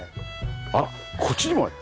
あらこっちにもある。